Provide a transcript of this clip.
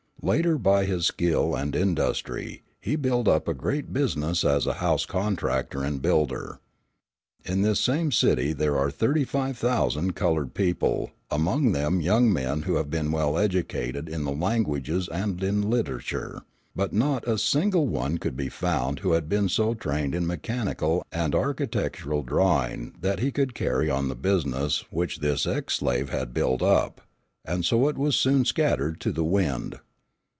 Later by his skill and industry he built up a great business as a house contractor and builder. In this same city there are 35,000 coloured people, among them young men who have been well educated in the languages and in literature; but not a single one could be found who had been so trained in mechanical and architectural drawing that he could carry on the business which this ex slave had built up, and so it was soon scattered to the wind.